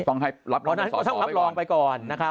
ต้องรับรองไปก่อน